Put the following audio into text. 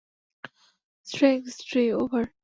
Strength three, over.